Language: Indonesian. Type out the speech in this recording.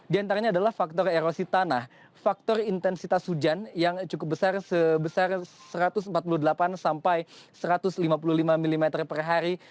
di antaranya adalah faktor erosi tanah faktor intensitas hujan yang cukup besar sebesar satu ratus empat puluh delapan sampai satu ratus lima puluh lima mm per hari